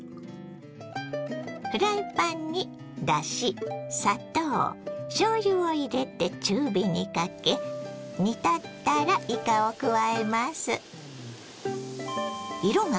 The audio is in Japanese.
フライパンにだし砂糖しょうゆを入れて中火にかけ煮立ったらいかを加えます。